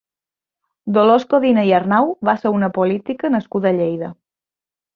Dolors Codina i Arnau va ser una política nascuda a Lleida.